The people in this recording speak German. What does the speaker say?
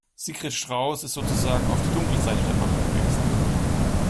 Sigrid Strauß ist sozusagen auf die dunkle Seite der Macht gewechselt.